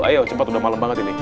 ayo cepat udah malam banget ini